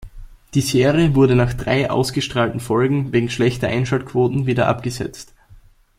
Die Serie wurde nach drei ausgestrahlten Folgen wegen schlechter Einschaltquoten wieder abgesetzt.